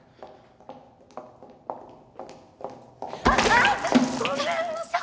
あっごめんなさい！